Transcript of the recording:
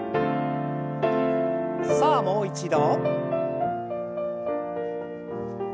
さあもう一度。